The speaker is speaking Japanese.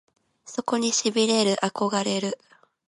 そこに痺れる憧れる